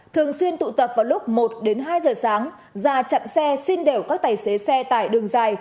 thường xuyên tụ tập vào lúc một đến hai giờ sáng già chặn xe xin đều các tài xế xe tại đường dài